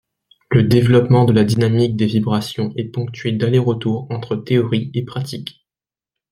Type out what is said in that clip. Le développement de la dynamique des vibrations est ponctué d'allers-retours entre théorie et pratique.